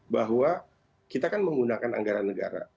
bahwa kita kan menggunakan anggaran negara